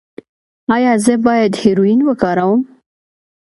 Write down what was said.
ایا زه باید هیرویین وکاروم؟